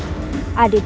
ada di hadapanku